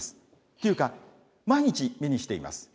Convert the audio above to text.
というか、毎日目にしています。